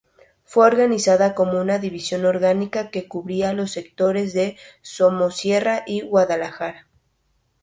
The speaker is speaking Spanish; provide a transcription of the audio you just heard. Fue organizada como una división orgánica que cubría los sectores de Somosierra y Guadalajara.